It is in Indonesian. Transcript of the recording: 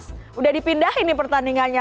sudah dipindahin nih pertandingannya